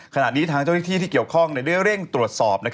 ขณะนี้ทางเจ้าหน้าที่ที่เกี่ยวข้องได้เร่งตรวจสอบ